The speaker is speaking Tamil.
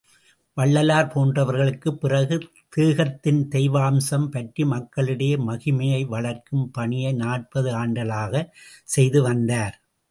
வள்ளலார் போன்றவர்களுக்குப் பிறகு தேகத்தின் தெய்வாம்சம் பற்றி மக்களிடையே மகிமையை வளர்க்கும் பணியை நாற்பது ஆண்டுகளாகச் செய்து வந்தார்.